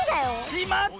しまった！